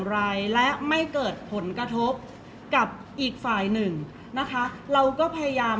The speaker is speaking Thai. เพราะว่าสิ่งเหล่านี้มันเป็นสิ่งที่ไม่มีพยาน